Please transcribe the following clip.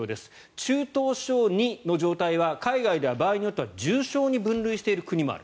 中等症２は海外によっては場合によっては重症に分類している国もある。